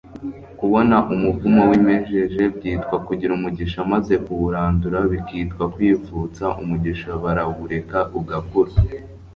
kubona umuvumu wimejeje byitwa kugira umugisha maze kuwurandura bikitwa kwivutsa umugisha, barawureka ugakura